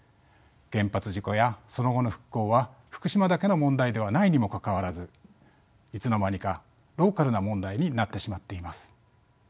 原発事故やその後の復興は福島だけの問題ではないにもかかわらずいつの間にかローカルな問題になってしまっています。